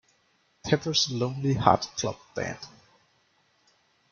Pepper's Lonely Heart Club Band.